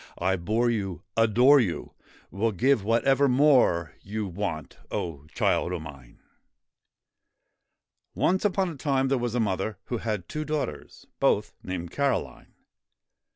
I bore you, adore you, Will give whatever more you Want, O child d mine > ONCE upon a time there was a mother who had two daughters, both named Caroline.